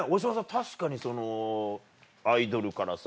確かにそのアイドルからさ